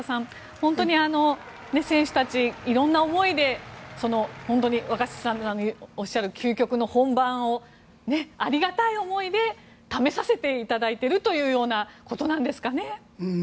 本当に選手たち、色んな思いで若新さんがおっしゃる究極の本番をありがたい思いで試させていただいているということなんですかね。